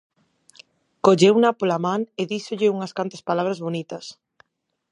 Colleuna pola man e díxolle unhas cantas palabras bonitas.